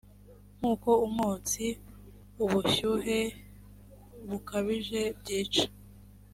nkuko umwotsi ubushyuhe bukabije byica